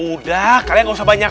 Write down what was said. udah kalian nggak usah banyak